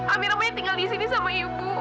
amira mau tinggal di sini sama ibu